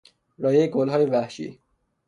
رایحهی گلهای وحشی